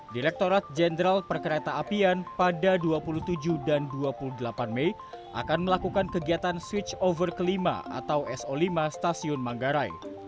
direktorat jenderal perkereta apian pada dua puluh tujuh dan dua puluh delapan mei akan melakukan kegiatan switch over kelima atau so lima stasiun manggarai